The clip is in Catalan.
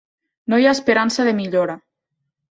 No hi ha esperança de millora.